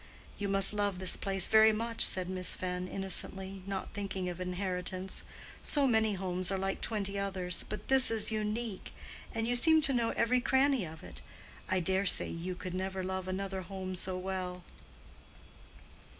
"You must love this place very much," said Miss Fenn, innocently, not thinking of inheritance. "So many homes are like twenty others. But this is unique, and you seem to know every cranny of it. I dare say you could never love another home so well."